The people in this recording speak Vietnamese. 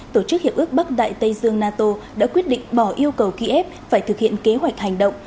tổ chức hiệp ước bắc đại tây dương nato đã quyết định bỏ yêu cầu kiev phải thực hiện kế hoạch hành động